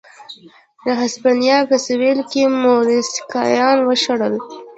د هسپانیا په سوېل کې موریسکیان وشړل.